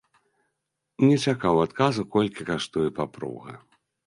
Не чакаў адказу, колькі каштуе папруга.